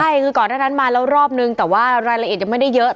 ใช่คือก่อนหน้านั้นมาแล้วรอบนึงแต่ว่ารายละเอียดยังไม่ได้เยอะ